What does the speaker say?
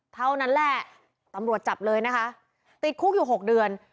เท่านั้นแหละตำรวจจับเลยนะคะติดคุกอยู่๖เดือน